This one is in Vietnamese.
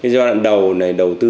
giai đoạn đầu này đầu tư